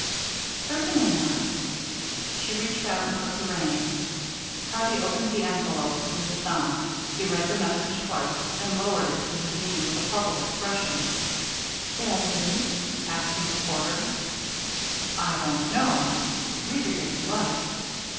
"Certainly not." She reached out and took the reins. Harvey opened the envelope with his thumb. He read the message twice, then lowered it to his knees with a puzzled expression. "Bad news?" asked Miss Porter. "I don't know. Read it if you like."